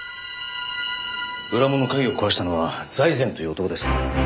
裏門の鍵を壊したのは財前という男ですか？